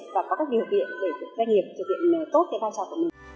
và có các điều kiện để doanh nghiệp thực hiện tốt cái vai trò của mình